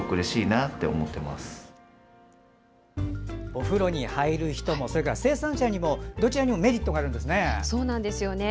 お風呂に入る人もそれから生産者にもどちらにもメリットがあるんですね。